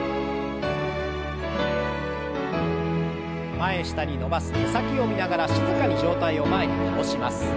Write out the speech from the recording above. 前下に伸ばす手先を見ながら静かに上体を前に倒します。